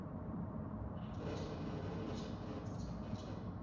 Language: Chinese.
这些状况也可能自行缓解。